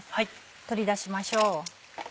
取り出しましょう。